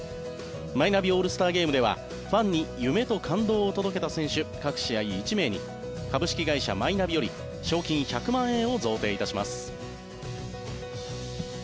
マイナビオールスターゲームではファンに夢と感動を届けた選手各試合１名に株式会社マイナビより賞金１００万円を贈呈いたします。